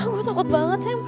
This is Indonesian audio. gue takut banget sam